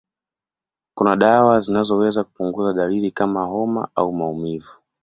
Kuna dawa zinazoweza kupunguza dalili kama homa au maumivu.